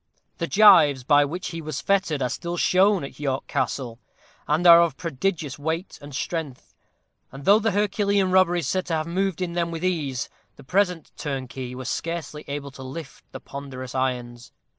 The gyves by which he was fettered are still shown at York Castle, and are of prodigious weight and strength; and though the herculean robber is said to have moved in them with ease, the present turnkey was scarcely able to lift the ponderous irons.